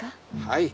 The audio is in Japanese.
はい。